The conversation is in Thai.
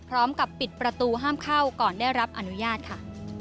พร้อมกับปิดประตูห้ามเข้าก่อนได้รับอนุญาตค่ะ